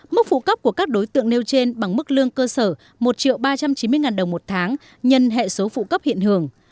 mức phụ cấp của các đối tượng nêu trên bằng mức lương cơ sở một ba trăm chín mươi đồng một tháng nhân hệ số phụ cấp hiện hưởng